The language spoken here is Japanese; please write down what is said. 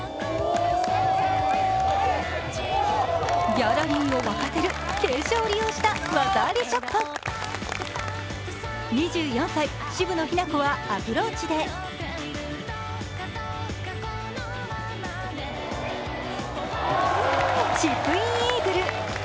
ギャラリーを沸かせる傾斜を利用した技ありショット２４歳、渋野日向子はアプローチでチップインイーグル。